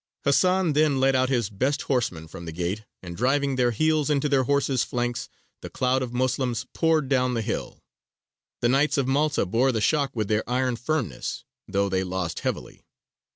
Hasan then led out his best horsemen from the gate, and driving their heels into their horses' flanks, the cloud of Moslems poured down the hill. The Knights of Malta bore the shock with their iron firmness, though they lost heavily.